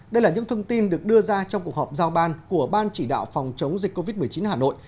đây là những thông tin được đưa ra trong cuộc họp giao ban của ban chỉ đạo phòng chống dịch covid một mươi chín hà nội